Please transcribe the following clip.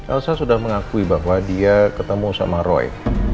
elsa sudah mengakui bahwa dia ketemu sama roy